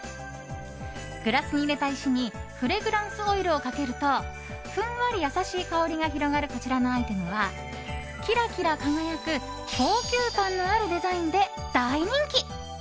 グラスに入れた石にフレグランスオイルをかけるとふんわり優しい香りが広がるこちらのアイテムはキラキラ輝く高級感のあるデザインで大人気。